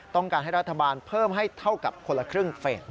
ต้องการให้รัฐบาลเพิ่มให้เท่ากับคนละครึ่งเฟส๑